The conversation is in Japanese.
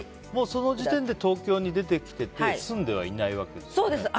その時点で東京に出てきてて住んではいないわけですよね？